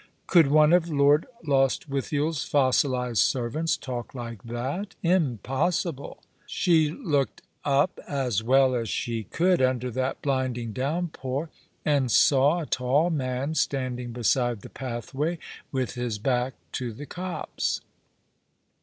Could one of Lord Lostwithiel's fossilized servants talk like that? Impossible. She looked up, as well as she could, under that blinding downpour, and saw a tall man standing beside the pathway with his back to the copse.